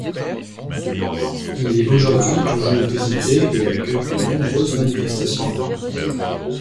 Il est aujourd'hui toujours visité et accueille de nombreuses manifestations.